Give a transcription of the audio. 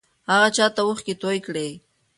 هغه چا ته اوښکې توې کړې؟